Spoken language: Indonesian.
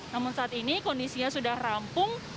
namun saat ini kondisinya sudah rampung